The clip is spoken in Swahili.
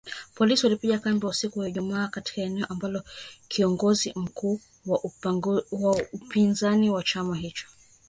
Polisi walipiga kambi usiku wa Ijumaa katika eneo ambako kiongozi mkuu wa upinzani wa chama hicho, Nelson Chamisa, alitakiwa kuhutubia wafuasi wake